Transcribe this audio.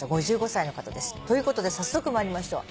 ５５歳の方です。ということで早速参りましょう。